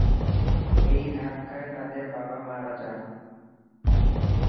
এই ধাক্কায় তাদের বাবা মারা যান।